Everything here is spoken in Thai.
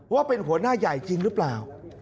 ว่าเป็นหัวหน้าใหญ่จริงหรือเปล่า